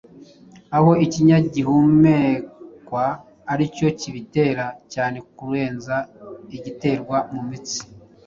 aho ikinya gihumekwa aricyo kibitera cyane kurenza igiterwa mu mutsi.